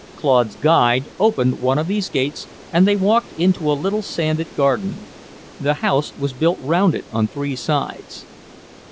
Claude's guide opened one of these gates, and they walked into a little sanded garden; the house was built round it on three sides.